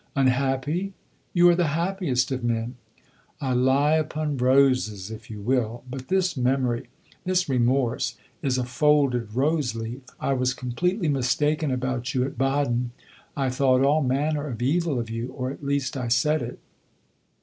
"Unhappy? You are the happiest of men." "I lie upon roses, if you will; but this memory, this remorse, is a folded rose leaf. I was completely mistaken about you at Baden; I thought all manner of evil of you or at least I said it."